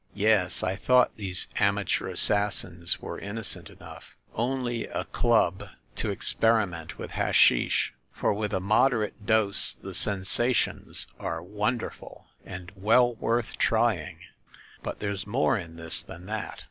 "Yes, I thought these amateur assassins were inno cent enough, ‚ÄĒ only a club to experiment with hashish ; for with a moderate dose the sensations are wonderful, and well worth trying, ‚ÄĒ but there's more in this than that.